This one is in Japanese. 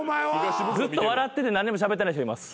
ずっと笑ってて何にもしゃべってない人います。